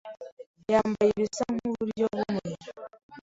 yambaye ibisa nkuburyo bumwe.